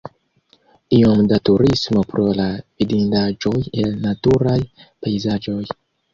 Iom da turismo pro la vidindaĵoj el naturaj pejzaĝoj.